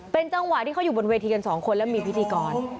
เป็นจังหวะที่เขาอยู่บนเวทีกันสองคนแล้วมีพิธีกร